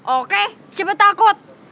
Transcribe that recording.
oke cepet takut